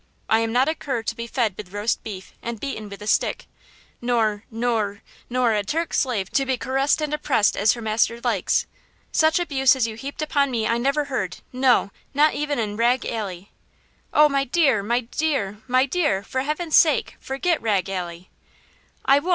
I am not a cur to be fed with roast beef and beaten with a stick, nor–nor–nor a Turk's slave to be caressed and oppressed as her master likes. Such abuse as you heaped upon me I never heard–no, not even in Rag Alley!" "Oh, my dear! my dear! my dear! for heaven's sake forget Rag Alley?" "I won't!